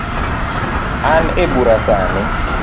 An ebura sani